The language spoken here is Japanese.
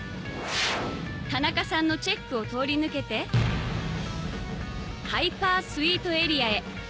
タナカさんのチェックを通り抜けてハイパースイートエリアへ